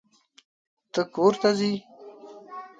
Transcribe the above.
ته کورته ځې؟